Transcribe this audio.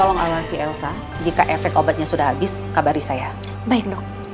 nggak mau di suntik